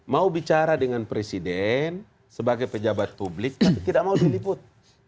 mau bicara dengan presiden sebagai pejabat publik tapi tidak mau diliput